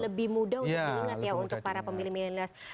lebih mudah untuk diingat ya untuk para pemilih milenial